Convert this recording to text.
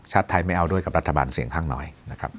ไทยไม่เอาด้วยกับรัฐบาลเสียงข้างน้อยนะครับ